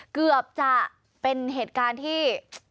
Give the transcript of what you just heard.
เกือบจะเป็นเหตุการณ์ที่